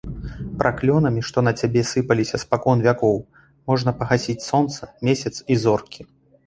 Праклёнамі, што на цябе сыпаліся спакон вякоў, можна пагасіць сонца, месяц і зоркі.